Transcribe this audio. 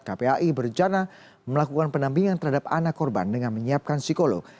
kpai berencana melakukan pendampingan terhadap anak korban dengan menyiapkan psikolog